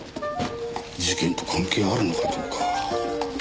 事件と関係あるのかどうか。